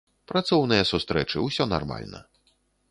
Працоўныя сустрэчы, усё нармальна.